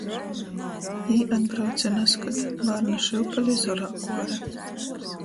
Jī atbrauce nazkod, bārna šiupeli zorā kuore.